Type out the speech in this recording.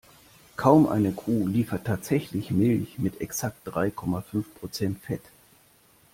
Kaum eine Kuh liefert tatsächlich Milch mit exakt drei Komma fünf Prozent Fett.